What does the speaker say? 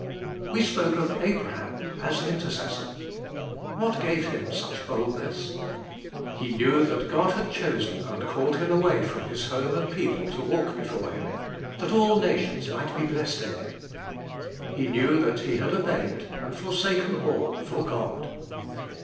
We spoke of Abraham as intercessor. What gave Him such boldness ? He knew that God had chosen and called him away from his home and people to walk before Him, that all nations might be blessed in GO TTTE MINISTRY OF INTERCESSION him. He knew that he had obeyed, and forsaken all for God.